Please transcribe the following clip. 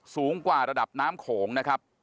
สูงกว่าระดับน้ำโขงนะครับ